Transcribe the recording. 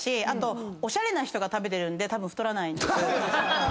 あとおしゃれな人が食べてるんでたぶん太らないんです。